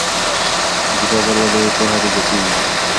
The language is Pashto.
که کتاب ولولې پوهه دې زیاتیږي.